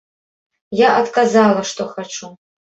Я адказала, што хачу.